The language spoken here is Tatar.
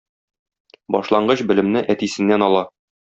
Башлангыч белемне әтисеннән ала.